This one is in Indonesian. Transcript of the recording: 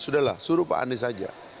sudahlah suruh pak andies aja